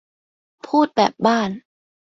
พูดแบบบ้าน